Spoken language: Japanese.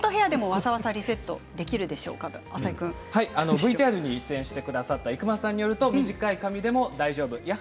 ＶＴＲに出演してくださった伊熊さんによると短い髪でもわさわさできます。